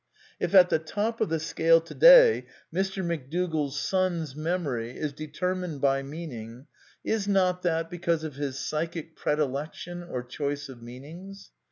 If at the top of the scale to day, Mr. McDougall's son's memory is determined by meaning, is not that because of his psychic predilection or choice of meanings